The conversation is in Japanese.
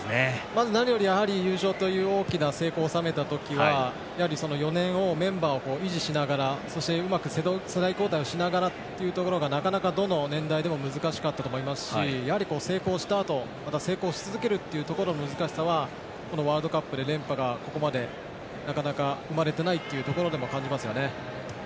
まず何より優勝という大きな成功を収めた時は４年、メンバーを維持しながらそしてうまく世代交代をしながらというところがなかなか、どの年代でも難しかったと思いますしやはり成功したあとまた成功し続けるということの難しさはワールドカップで連覇がここまで、なかなか生まれてないというところからも感じますよね。